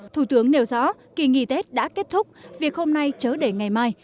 thủ tướng nêu rõ kỳ nghỉ tết đã kết thúc việc hôm nay chớ để ngày mai